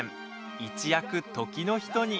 一躍、時の人に。